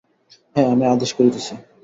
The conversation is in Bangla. হাঁ, আমি আদেশ করিতেছি।